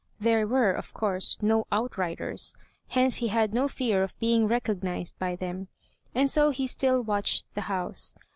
There were, of course, no outriders; hence he had no fear of being recognized by them. And so he still watched the house.